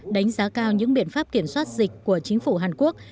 đánh giá cao những biện pháp kiểm soát dịch của chính phủ hàn quốc